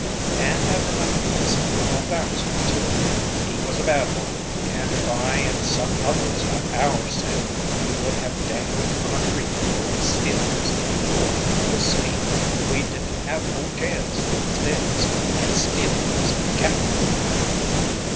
"And I remember this Arnold Baxter, too. He was a bad one, and if I and some others had our say he would have dangled from a tree for his stealings, for, you see, we didn't have no jails in those days, and stealing was a capital crime."